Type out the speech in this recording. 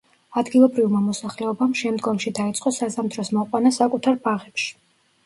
ადგილობრივმა მოსახლეობამ შემდგომში დაიწყო საზამთროს მოყვანა საკუთარ ბაღებში.